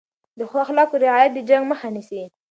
د ښو اخلاقو رعایت د جنګ مخه نیسي.